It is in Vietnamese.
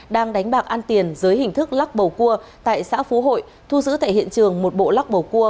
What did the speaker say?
đang đánh bạc ăn tiền dưới hình thức lắc bầu cua tại xã phú hội thu giữ tại hiện trường một bộ lắc bầu cua